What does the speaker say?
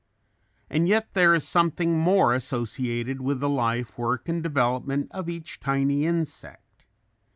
And yet there is something more associated with the life, work and development of each tiny insect.